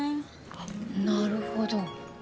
なるほど。